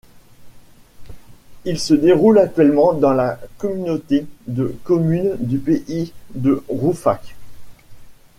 Il se déroule actuellement dans la communauté de communes du pays de Rouffach.